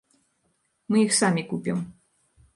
Мы іх самі купім.